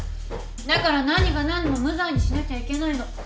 だから何が何でも無罪にしなきゃいけないの。